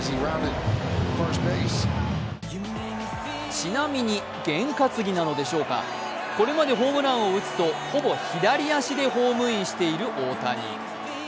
ちなみに験担ぎなのでしょうか、これまでホームランを打つと、ほぼ左足でホームインしている大谷。